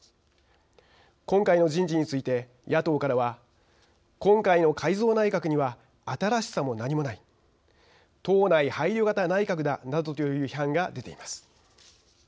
今回の人事について野党からは「今回の改造内閣には新しさも何もない」「党内配慮型内閣だ」などという批判が出ています。